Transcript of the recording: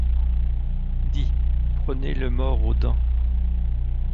Dit : Prenez le mors aux dents !